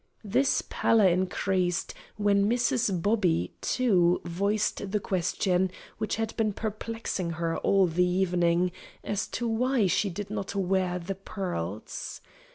This pallor increased when Mrs. Bobby, too, voiced the question which had been perplexing her all the evening, as to why she did not wear the pearls.